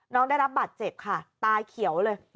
น้องได้รับบัตรเจ็บค่ะตาเขียวเลย